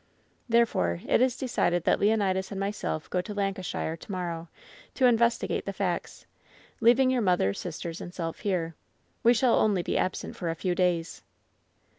Therefore, it is decided that Leonidas and myself go to Lancashire to morrow to investigate the facts, leaving your mother, sisters, and self here. We shall only be absent for a few days."